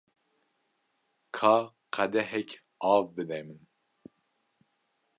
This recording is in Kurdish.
Ka qedehek av bide min.